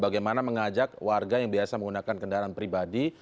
bagaimana mengajak warga yang biasa menggunakan kendaraan pribadi